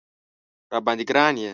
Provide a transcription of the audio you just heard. راباندې ګران یې